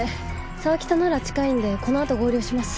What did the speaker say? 沢北なら近いんでこのあと合流します。